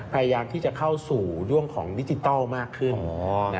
พยายามที่จะเข้าสู่เรื่องของดิจิทัลมากขึ้น